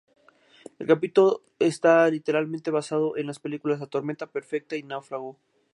El capítulo está ligeramente basado en las películas "La tormenta perfecta" y "Náufrago".